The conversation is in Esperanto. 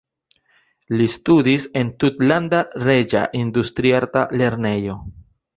Li studis en Tutlanda Reĝa Industriarta Lernejo.